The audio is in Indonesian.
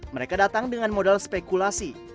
mereka datang dengan modal spekulasi